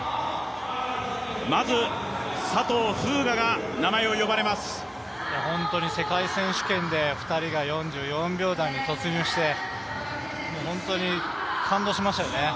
まず、佐藤風雅が名前を呼ばれます世界選手権で２人が４４秒台に突入して本当に感動しましたよね。